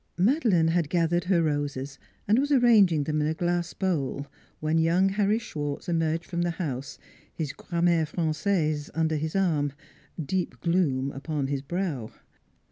Madeleine had gathered her roses and was arranging them in a glass bowl when young Harry Schwartz emerged from the house, his Gram maire Franqaise under his arm, deep gloom upon his brow.